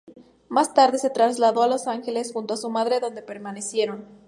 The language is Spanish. Más tarde, se trasladó a Los Ángeles junto a su madre donde permanecieron.